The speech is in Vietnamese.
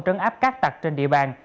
trấn áp cát tặc trên địa bàn